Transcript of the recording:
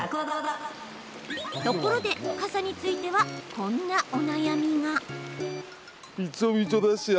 ところで、傘についてはこんなお悩みが。